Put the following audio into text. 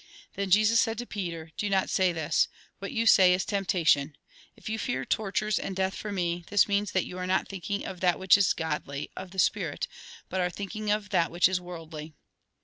Then Jesus said to Peter :" Do not say this. "What you say is temptation. If you fear tortures and death for me, this means that you are not thinking of that which is godly, of the spirit, but are thinking of what is worldly."